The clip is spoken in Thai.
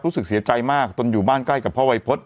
รู้สึกเสียใจมากตนอยู่บ้านใกล้กับพ่อวัยพฤษ